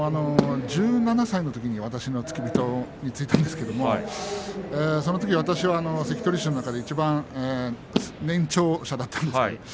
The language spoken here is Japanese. １７歳のときに私の付け人についたんですけれどもそのとき私は関取衆の中でいちばん年長者だったんです。